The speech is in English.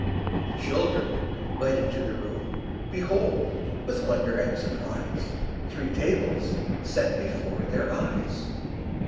The children, led into the room, Behold, with wonder and surprise, Three tables set before their eyes.